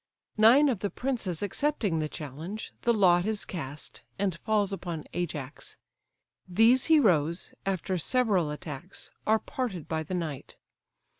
Nine of the princes accepting the challenge, the lot is cast and falls upon Ajax. These heroes, after several attacks, are parted by the night.